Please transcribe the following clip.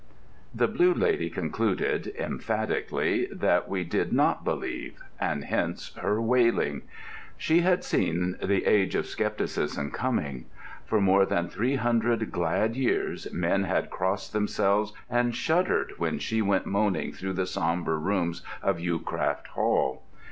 The Blue Lady concluded, emphatically, that we did not believe; and hence her wailing. She had seen the age of scepticism coming. For more than three hundred glad years men had crossed themselves and shuddered when she went moaning through the sombre rooms of Yewcroft Hall.